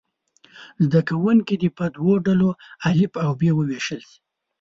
زده کوونکي دې په دوه ډلو الف او ب وویشل شي.